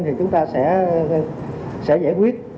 thì chúng ta sẽ giải quyết